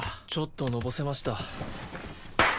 ちょっとのぼせました。